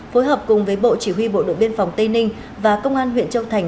phối hợp cùng với bộ chỉ huy bộ đội biên phòng tây ninh và công an huyện châu thành